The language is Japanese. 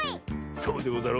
そうでござろう。